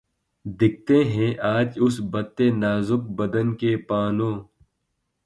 دکھتے ہیں آج اس بتِ نازک بدن کے پانو